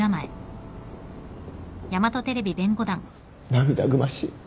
涙ぐましい。